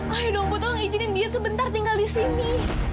ayo dong bu tolong izinin dia sebentar tinggal di sini